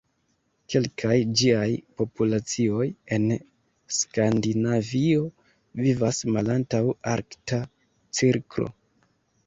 Kelkaj ĝiaj populacioj en Skandinavio vivas malantaŭ arkta cirklo!